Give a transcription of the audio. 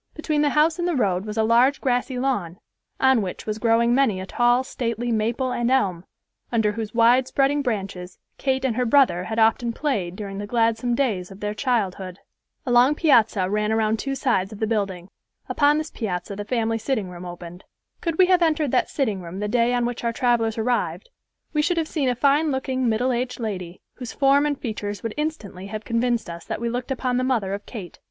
Between the house and the road was a large grassy lawn, on which was growing many a tall, stately maple and elm, under whose wide spreading branches Kate and her brother had often played during the gladsome days of their childhood. A long piazza ran around two sides of the building. Upon this piazza the family sitting room opened. Could we have entered that sitting room the day on which our travelers arrived, we should have seen a fine looking, middle aged lady, whose form and features would instantly have convinced us that we looked upon the mother of Kate.